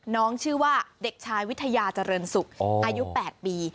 น้องชื่อว่าเด็กชายวิทยาเจริญสุขอายุ๘ปี